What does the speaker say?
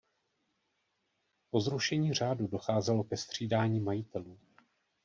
Po zrušení řádu docházelo ke střídání majitelů.